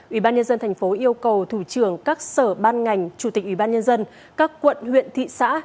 ủy ban nhân dân thành phố yêu cầu thủ trưởng các sở ban ngành chủ tịch ủy ban nhân dân các quận huyện thị xã